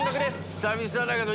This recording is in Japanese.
久々だけど。